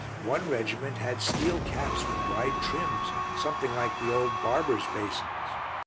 One regiment had steel caps with wide trims, something like the old barbers' basins.